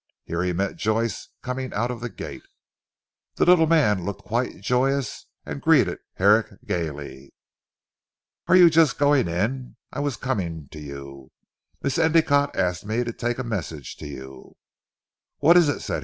Here he met Joyce coming out of the gate. The little man looked quite joyous, and greeted Herrick gaily. "Are you just going in? I was coming to you. Miss Endicotte asked me to take a message to you." "What is it?"